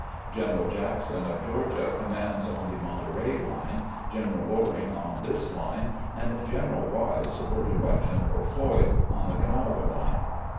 General Jackson of Georgia commands on the Monterey Une, Gen eral Loring on this line, and General Wise, supported by General Floyd, on the Kanawha line.